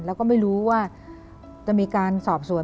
แล้วก็ไม่รู้ว่าจะมีการสอบสวน